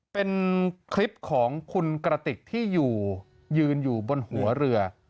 เป็นคลิปของคุณกระติกที่อยู่ยืนอยู่บนหัวเรือ